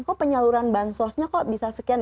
kok penyaluran ban sosnya kok bisa sekian